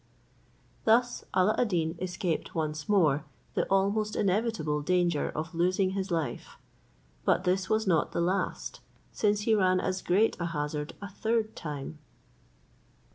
Thus Alla ad Deen escaped once more the almost inevitable danger of losing his life; but this was not the last, since he ran as great a hazard a third time.